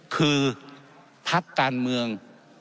คือพักการเมือง